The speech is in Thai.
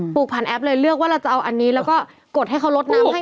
ผ่านแอปเลยเลือกว่าเราจะเอาอันนี้แล้วก็กดให้เขาลดน้ำให้